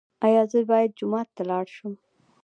ایا زه باید جومات ته لاړ شم؟